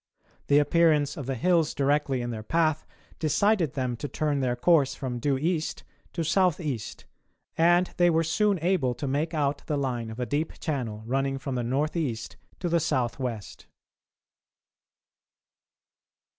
The appearance of the hills directly in their path decided them to turn their course from due east to south east, and they were soon able to make out the line of a deep channel running from the north east to the south west.